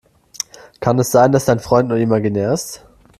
Kann es sein, dass dein Freund nur imaginär ist?